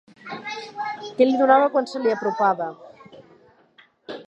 Què li donava quan se li apropava?